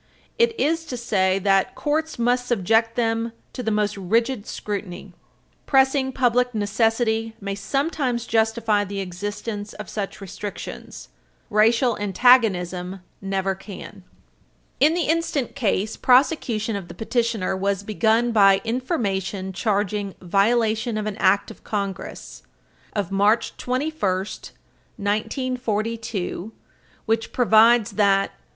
It is to say that courts must subject them to the most rigid scrutiny. Pressing public necessity may sometimes justify the existence of such restrictions; racial antagonism never can. In the instant case, prosecution of the petitioner was begun by information charging violation of an Act of Congress, of March 21, 1942, 56 Stat. 173, which provides that "...